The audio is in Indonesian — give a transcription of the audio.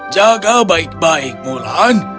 jaga baik baik mulan